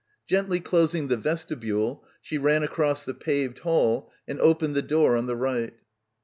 Gently closing the vestibule she ran across the paved hall and opened the door on the right.